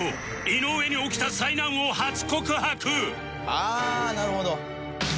ああなるほど。